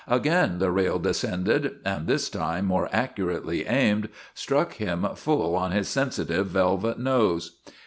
Again the rail descended, and this time, more accurately aimed, struck him full on his sensitive, velvet nose.